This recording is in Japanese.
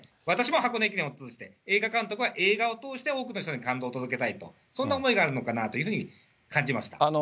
私も箱根駅伝を通じて、映画監督は映画を通じて、多くの人に感動を届けたいと、そんな思いがあるのかなというふうに感じました。